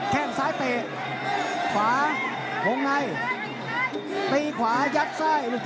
แข้งซ้ายเตะขวาลงไหน